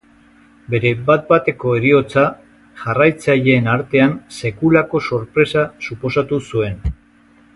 Bere bat bateko heriotza jarraitzaileen artean sekulako sorpresa suposatu zuen.